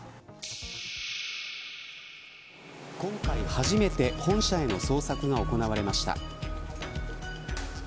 今回初めて本社への捜索が行われました。